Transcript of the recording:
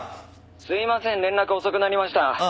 「すいません連絡遅くなりました」